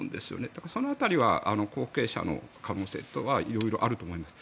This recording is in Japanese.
だからその辺りは後継者の可能性は色々あると思います。